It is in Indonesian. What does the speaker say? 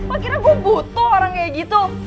akhirnya gue butuh orang kayak gitu